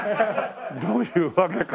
どういうわけか。